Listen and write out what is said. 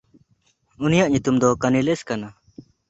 ᱩᱱᱤᱭᱟᱜ ᱧᱩᱛᱩᱢ ᱫᱚ ᱠᱟᱱᱤᱞᱮᱥ ᱠᱟᱱᱟ᱾